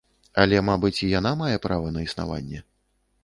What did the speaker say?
Але, мабыць, і яна мае права на існаванне.